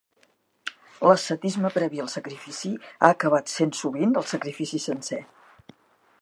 L'ascetisme previ al sacrifici ha acabat essent sovint el sacrifici sencer.